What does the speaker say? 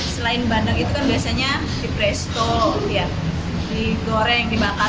selain bandeng itu kan biasanya dipresto digoreng dibakar